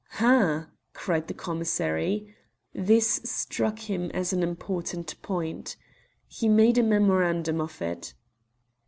"Ha!" cried the commissary. This struck him as an important point. He made a memorandum of it.